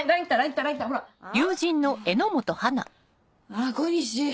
あっ小西！